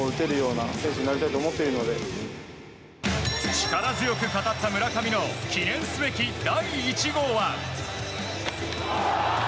力強く語った村上の記念すべき第１号は。